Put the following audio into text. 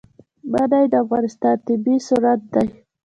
منی د افغانستان طبعي ثروت دی.